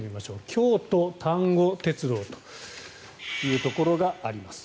京都丹後鉄道というところがあります。